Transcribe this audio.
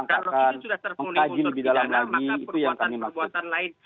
maka perbuatan perbuatan lain itu yang kami maksudkan